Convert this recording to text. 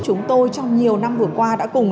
chúng tôi trong nhiều năm vừa qua đã cùng